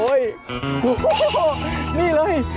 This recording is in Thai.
โอ้โหนี่เลย